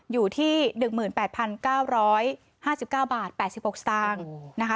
อยู่ที่๑๘๙๕๙บาท๘๖สตางค์นะคะ